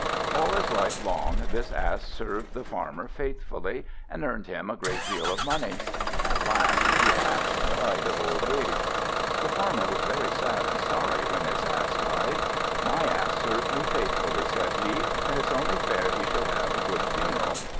All his life long, this Ass served the Farmer faithfully, and earned him a great deal of money. At last the Ass died of old age. The Farmer was very sad and sorry when his Ass died. "My Ass served me faithfully," said he, "and it's only fair he should have a good funeral."